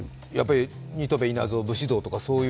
新渡戸稲造、武士道とか、そういう？